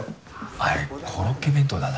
あれコロッケ弁当だな。